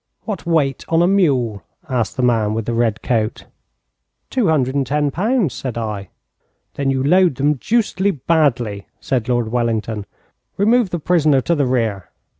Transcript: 'What weight on a mule?' asked the man with the red coat. 'Two hundred and ten pounds,' said I. 'Then you load them deucedly badly,' said Lord Wellington. 'Remove the prisoner to the rear.'